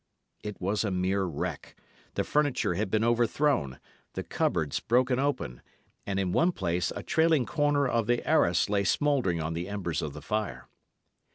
It was a mere wreck; the furniture had been overthrown, the cupboards broken open, and in one place a trailing corner of the arras lay smouldering on the embers of the fire.